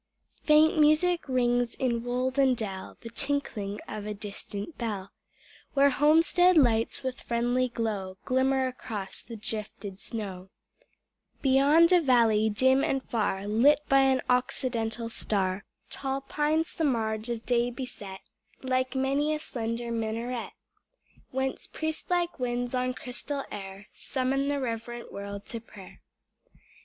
80 ni Faint music rings in wold and dell, The tinkling of a distant bell, Where homestead lights with friendly glow Glimmer across the drifted snow ; Beyond a valley dim and far Lit by an occidental star, Tall pines the marge of day beset Like many a slender minaret, Whence priest like winds on crystal air Summon the reverent world to prayer.